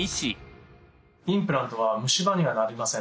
インプラントは虫歯にはなりません。